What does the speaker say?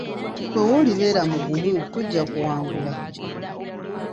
Ggwe w'oli beera mugumu, tujja kuwangula.